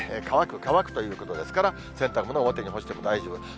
乾く、乾くということですから、洗濯物、表に干しても大丈夫。